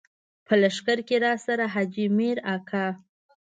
په لښکر کې راسره حاجي مير اکا.